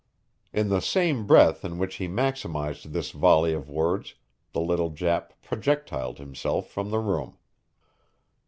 In the same breath in which he maximed this volley of words the little Jap projectiled himself from the room.